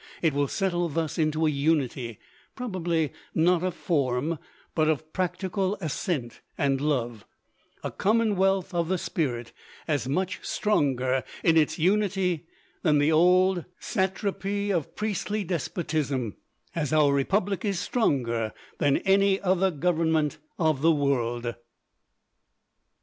It will settle thus into a unity, probably not of form, but of practical assent and love a Commonwealth of the Spirit, as much stronger in its unity than the old satrapy of priestly despotism, as our republic is stronger than any other government of the world.